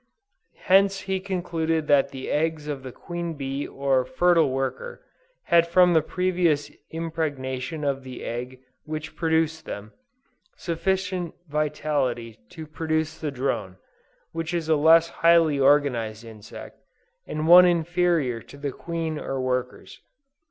Hence he concluded that the eggs of the Queen Bee or fertile worker, had from the previous impregnation of the egg which produced them, sufficient vitality to produce the drone, which is a less highly organized insect, and one inferior to the Queen or workers.